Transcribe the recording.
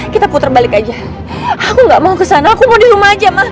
kita putar balik aja aku gak mau kesana aku mau di rumah aja mas